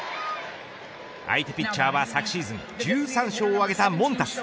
相手ピッチャーは、昨シーズン１３勝を挙げたモンタス。